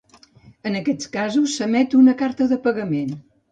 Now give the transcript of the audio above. En aquests casos, s'emet una carta de pagament.